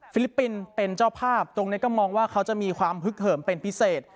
ลิปปินส์เป็นเจ้าภาพตรงนี้ก็มองว่าเขาจะมีความฮึกเหิมเป็นพิเศษ